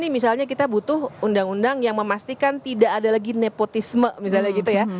misalnya kita butuh undang undang yang memastikan tidak ada lagi nepotisme misalnya gitu ya